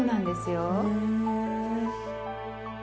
へえ。